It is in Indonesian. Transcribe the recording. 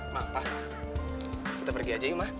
ma pak kita pergi aja yuk mak